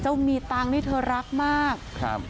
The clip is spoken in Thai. มีตังค์นี่เธอรักมากครับ